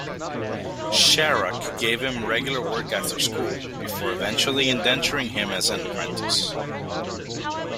Sharrock gave him regular work after school, before eventually indenturing him as an apprentice.